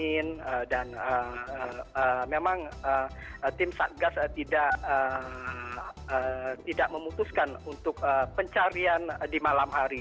dingin dan memang tim satgas tidak memutuskan untuk pencarian di malam hari